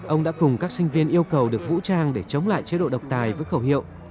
ông đã cùng các sinh viên yêu cầu được vũ trang để chống lại chế độ độc tài với khẩu hiệu